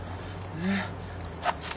うん？